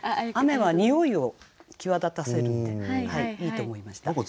雨はにおいを際立たせるんでいいと思いました。